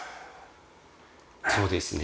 そうですね。